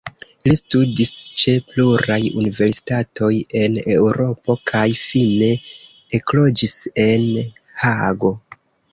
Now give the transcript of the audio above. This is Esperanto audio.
Li studis ĉe pluraj universitatoj en Eŭropo kaj fine ekloĝis en Hago.